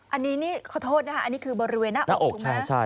อันนี้นี่ขอโทษอันนี้คือบริเวณหน้าอก